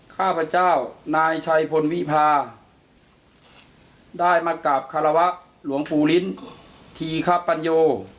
ข้าพเจ้านายชัยพลวิพาได้มากราบคารวะหลวงปู่ลิ้นทีคปัญโย